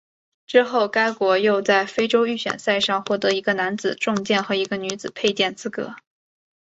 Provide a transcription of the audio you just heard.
之后该国又在非洲预选赛上获得一个男子重剑和一个女子佩剑资格。